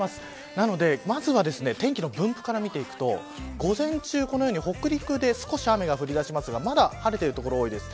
なので、まずは天気の分布から見ていくと午前中このように北陸で少し雨が降り出しますがまた晴れている所、多いです。